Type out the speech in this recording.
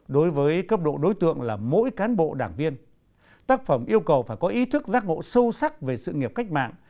đối với cấp độ đối tượng là mỗi cán bộ đảng viên tác phẩm yêu cầu phải có ý thức giác ngộ sâu sắc về sự nghiệp cách mạng